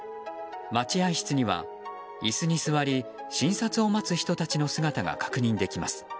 待合室には椅子に座り診察を待つ人たちの姿が確認できます。